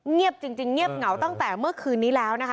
เงียบจริงเงียบเหงาตั้งแต่เมื่อคืนนี้แล้วนะคะ